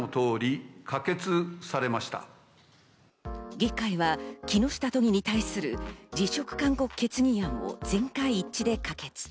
議会は木下都議に対する辞職勧告決議案を全会一致で可決。